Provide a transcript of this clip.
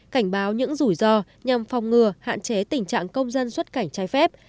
cảnh báo những rủi ro nhằm phòng ngừa hạn chế tình trạng công dân xuất cảnh trái phép